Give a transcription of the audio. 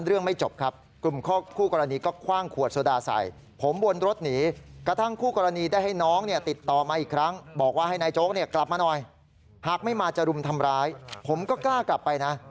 เดี๋ยวหน่อยหากไม่มาจะรุมทำร้ายผมก็กล้ากลับไปนะ